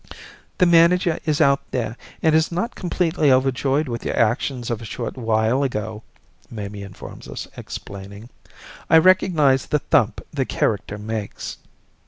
"The manager is out there and is not completely overjoyed with your actions of a short while ago," Mamie informs us, explaining, "I recognize the thump the character makes."